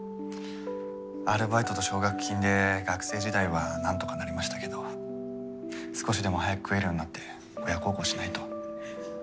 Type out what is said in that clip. アルバイトと奨学金で学生時代はなんとかなりましたけど少しでも早く食えるようになって親孝行しないと。